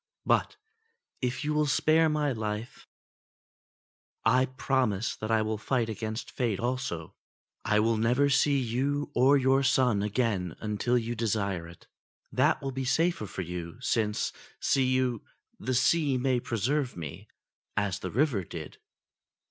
But if you will spare my life I promise that I will fight against Fate also. I will never see you or your son again until you desire it. That will be safer for you ; since, see you, the sea may preserve me, as the river did."